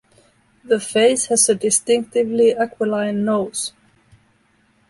The face has a distinctively aquiline nose.